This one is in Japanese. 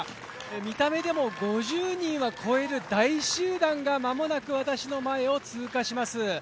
見た目でも５０人は超える大集団が間もなく私の前を通過します。